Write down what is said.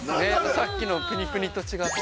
さっきのプニプニと違って。